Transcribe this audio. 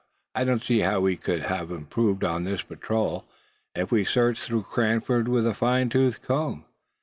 "I don't see how we could have improved on this patrol, if we'd searched through Cranford with a fine tooth comb.